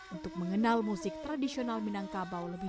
untuk mengenal musik tradisional minangkabau lebih